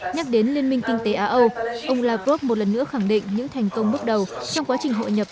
nhắc đến liên minh kinh tế á âu ông lavrov một lần nữa khẳng định những thành công bước đầu trong quá trình hội nhập